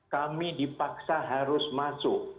kami dipaksa harus masuk